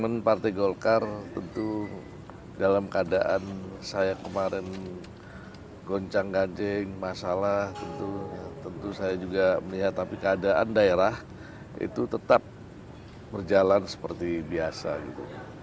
momen partai golkar tentu dalam keadaan saya kemarin goncang ganjing masalah tentu saya juga melihat tapi keadaan daerah itu tetap berjalan seperti biasa gitu